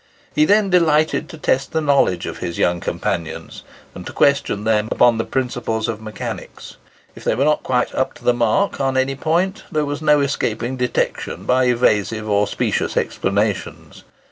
He then delighted to test the knowledge of his young companions, and to question them upon the principles of mechanics. If they were not quite "up to the mark" on any point, there was no escaping detection by evasive or specious explanations.